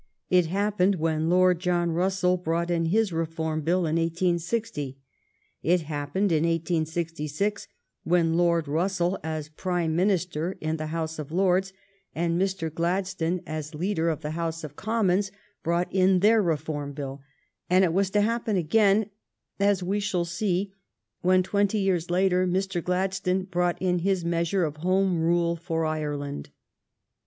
It happened when Lord John Russell brought in his Reform Bill in i860. It happened in 1866, when Lord Russell as Prime Minister in the House of Lords, and Mr. Gladstone as leader of the House 254 THE STORY OF GLADSTONE'S LIFE of Commons, brought in their Reform Bill ; and it was to happen again, as we shall see, when, twenty years later, Mr. Gladstone brought in his measure of Home Rule for Ireland.